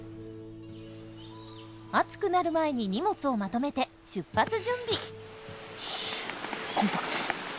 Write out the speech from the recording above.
暑くなる前に荷物をまとめて出発準備。